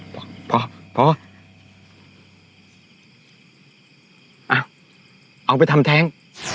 บอกพอพอเอาไปทำแท้ง